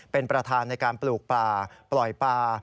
เป็นประธานในการปลูกปลาปล่อยปลา